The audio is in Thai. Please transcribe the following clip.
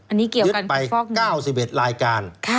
อันนี้เกี่ยวกันฟอกเงินยึดไป๙๑ลายการ